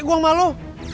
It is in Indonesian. hp gua malu